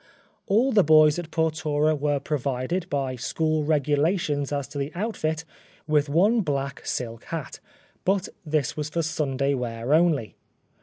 All the boys at Portora were provided, by school regulations as to the outfit, with one Black Silk Hat, but this was for Sunday wear only.